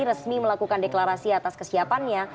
resmi melakukan deklarasi atas kesiapannya